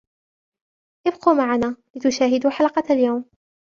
ابقوا معنا لتشاهدوا حلقة اليوم.